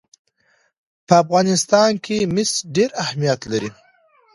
په افغانستان کې مس ډېر اهمیت لري.